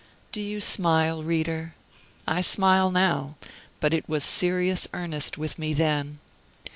Do you smile, reader? I smile now; but it was serious earnest with me then.